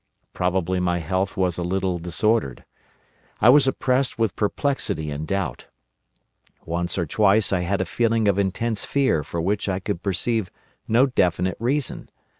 Probably my health was a little disordered. I was oppressed with perplexity and doubt. Once or twice I had a feeling of intense fear for which I could perceive no definite reason.